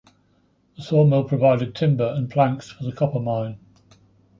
The sawmill provided timber and planks for the copper mine.